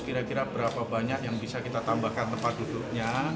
kira kira berapa banyak yang bisa kita tambahkan tempat duduknya